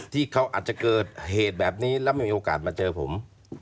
ที่เขาอาจจะเกิดเหตุแบบนี้แล้วไม่มีโอกาสมาเจอผม